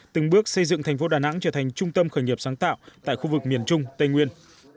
từng bước xây dựng thành phố đà nẵng trở thành trung tâm khởi nghiệp sáng tạo tại khu vực miền trung tây nguyên